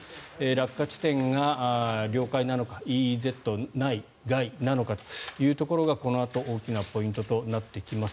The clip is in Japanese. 落下地点が領海なのかＥＥＺ内外なのかというところがこのあと大きなポイントとなってきます。